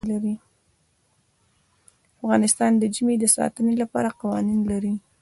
افغانستان د ژمی د ساتنې لپاره قوانین لري.